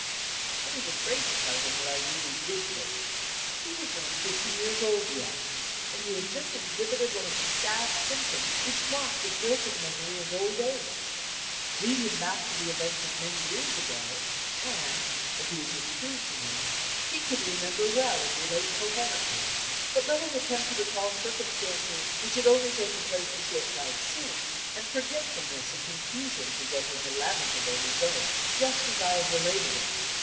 I was afraid to tell him what I really did think. He was not fifty years old yet; and he had just exhibited one of the sad symptoms which mark the broken memory of old age. Lead him back to the events of many years ago, and (as he had just proved to me) he could remember well and relate coherently. But let him attempt to recall circumstances which had only taken place a short time since, and forgetfulness and confusion presented the lamentable result, just as I have related it.